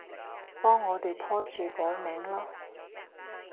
幫我哋棵樹改名囉